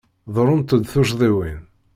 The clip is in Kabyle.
Ḍerrunt-d tuccḍiwin.